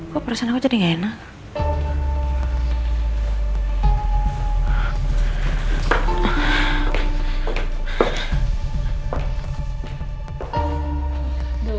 kok perasaan aku jadi gak enak